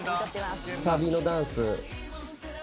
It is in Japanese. サビのダンス。